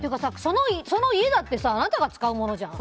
その家だってあなたが使うものじゃん。